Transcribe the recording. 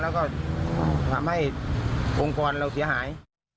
แล้วก็ทำให้องค์กรเราเสียหาย